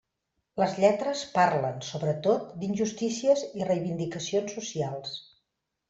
Les lletres parlen, sobretot, d'injustícies i reivindicacions socials.